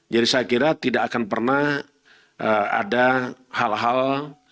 jadi saya kira tidak akan pernah ada hal hal